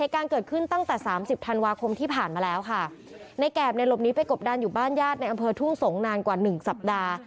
การเกิดขึ้นตั้งแต่สามสิบธันวาคมที่ผ่านมาแล้วค่ะในแกบในหลบนี้ไปกบดันอยู่บ้านญาติในอำเภอทุ่งสงศนานกว่าหนึ่งสัปดาห์